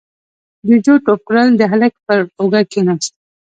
جُوجُو ټوپ کړل، د هلک پر اوږه کېناست: